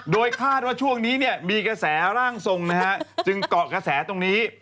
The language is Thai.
โดยคาดว่าช่วงนี้เนี่ยมีกระแสร่างทรงนะฮะจึงเกาะกระแสตรงนี้